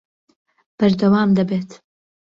بەردەوام دەبێت